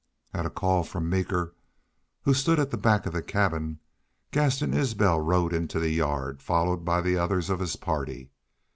At a call from Meeker, who stood at the back of the cabin, Gaston Isbel rode into the yard, followed by the others of his party.